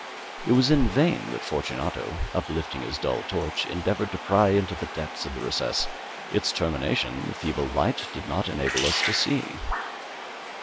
It was in vain that Fortunato, uplifting his dull torch, endeavoured to pry into the depth of the recess. Its termination the feeble light did not enable us to see.